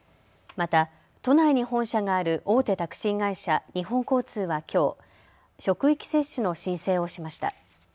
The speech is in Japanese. また、都内に本社がある大手タクシー会社、日本交通はきょう、職域接種の申請をしました。